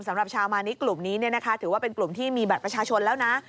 สำหรับชาวมานิกลุ่มนี้ถือว่าเป็นกลุ่มที่มีบัตรประชาชนแล้วนะ